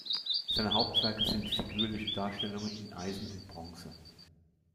Seine Hauptwerke sind figürliche Darstellungen in Eisen und Bronze.